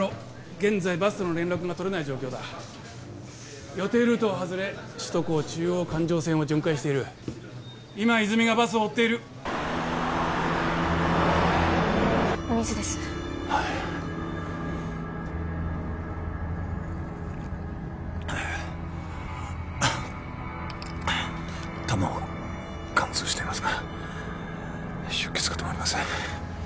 現在バスとの連絡が取れない状況だ予定ルートを外れ首都高中央環状線を巡回している今泉がバスを追っているお水ですはいああ弾は貫通していますが出血が止まりません